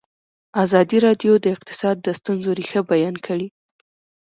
ازادي راډیو د اقتصاد د ستونزو رېښه بیان کړې.